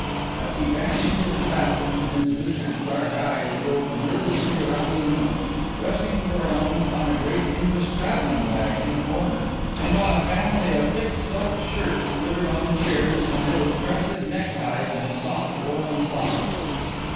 As he vanished into the bathroom his visitor's dark eyes roved nervously around the room, resting for a moment on a great English travelling bag in the corner and on a family of thick silk shirts littered on the chairs amid impressive neckties and soft woollen socks.